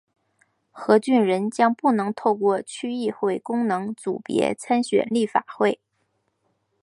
何俊仁将不能透过区议会功能组别参选立法会。